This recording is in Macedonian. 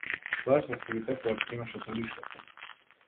Што е со сивите плочки на шеталиштето?